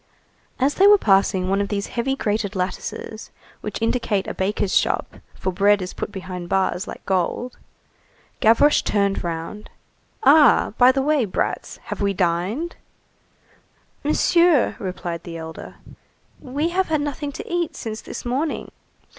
As they were passing one of these heavy grated lattices, which indicate a baker's shop, for bread is put behind bars like gold, Gavroche turned round:— "Ah, by the way, brats, have we dined?" "Monsieur," replied the elder, "we have had nothing to eat since this morning."